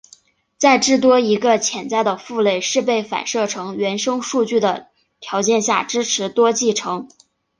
在至多一个潜在的父类是被反射成原生数据的条件下支持多继承。